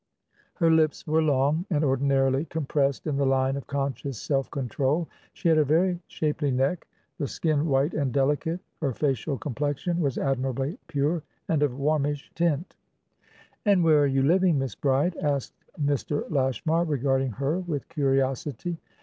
Her lips were long, and ordinarily compressed in the line of conscious self control. She had a very shapely neck, the skin white and delicate; her facial complexion was admirably pure and of warmish tint. "And where are you living, Miss Bride?" asked Mr. Lashmar, regarding her with curiosity.